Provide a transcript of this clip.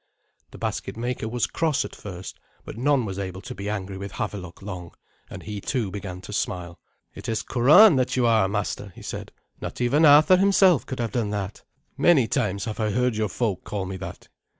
The basket maker was cross at first, but none was able to be angry with Havelok long, and he too began to smile. "It is 'curan' that you are, master," he said; "not even Arthur himself could have done that." "Many times have I heard your folk call me that.